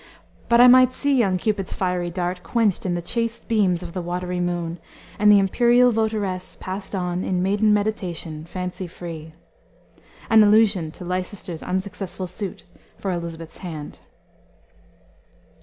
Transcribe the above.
But I might see young Cupid's fiery dart Quenched in the chaste beams of the watery moon, And the imperial votaress passed on In maiden meditation, fancy free" an allusion to Leicester's unsuccessful suit for Elisabeth's hand.